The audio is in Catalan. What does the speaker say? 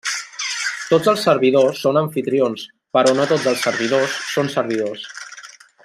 Tots els servidors són amfitrions, però no tots els servidors són servidors.